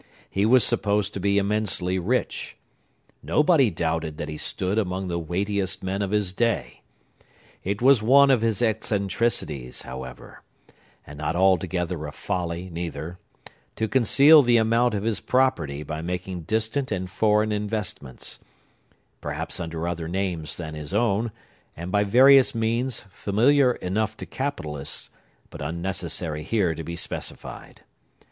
He was supposed to be immensely rich. Nobody doubted that he stood among the weightiest men of his day. It was one of his eccentricities, however,—and not altogether a folly, neither,—to conceal the amount of his property by making distant and foreign investments, perhaps under other names than his own, and by various means, familiar enough to capitalists, but unnecessary here to be specified.